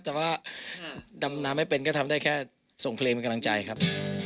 แต่ว่าดำน้ำไม่เป็นก็ทำได้แค่ส่งเพลงเป็นกำลังใจครับ